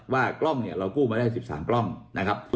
กล้องเนี่ยเรากู้มาได้๑๓กล้องนะครับ